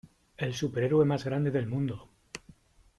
¡ El superhéroe más grande del mundo!